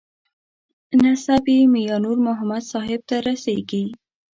نسب یې میانور محمد صاحب ته رسېږي.